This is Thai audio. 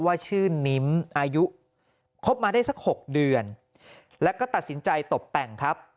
ว่าชื่อนิ้มอายุคบมาได้สัก๖เดือนแล้วก็ตัดสินใจตบแต่งครับ